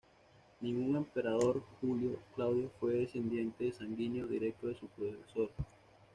Ningún emperador Julio-Claudio fue descendiente sanguíneo directo de su predecesor.